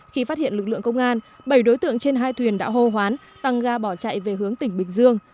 khi phát hiện lực lượng công an bảy đối tượng trên hai thuyền đã hô hoán tăng ga bỏ chạy về hướng tỉnh bình dương